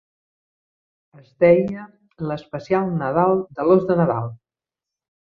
Es deia "L'especial nadal de l'ós de nadal".